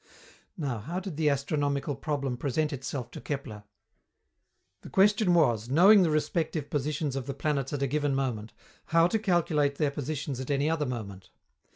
Now, how did the astronomical problem present itself to Kepler? The question was, knowing the respective positions of the planets at a given moment, how to calculate their positions at any other moment.